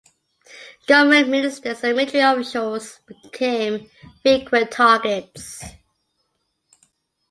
Government ministers and military officials became frequent targets.